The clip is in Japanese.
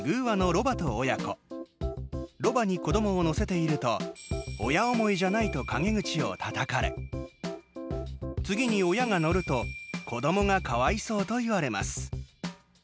ロバに子どもを乗せていると「親思いじゃない」と陰口をたたかれ次に親が乗ると「子どもがかわいそう」と言われます。